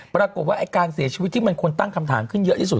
ปรากฏว่าไอ้การเสียชีวิตที่มันควรตั้งคำถามขึ้นเยอะที่สุด